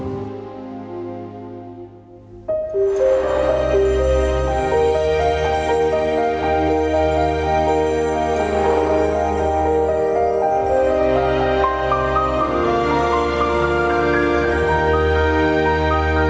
บันทึกประวัติศาสตร์เล่มนี้เนี่ยไม่ใช่แค่เฉพาะคนไทยรัฐ